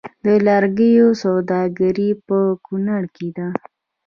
د لرګیو سوداګري په کنړ کې ده